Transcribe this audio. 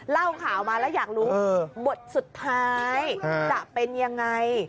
เล่าข่าวมาแล้วอยากรู้บทสุดท้ายจะเป็นยังไง